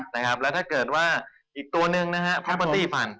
และถ้าเกิดว่าอีกตัวหนึ่งนะครับ